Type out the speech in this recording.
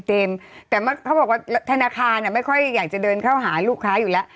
แต่เขาบอกว่าธนาคารไม่ค่อยอยากจะเดินเข้าหาลูกค้าอยู่แล้ว